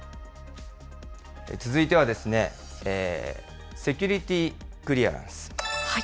続いてはですね、セキュリティークリアランス。